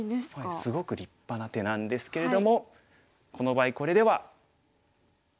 すごく立派な手なんですけれどもこの場合これでは。